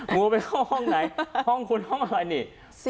งูไปเข้าห้องไหนห้องคุณห้องอะไรนี่